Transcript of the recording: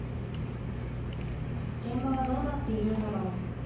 現場はどうなっているんだろう。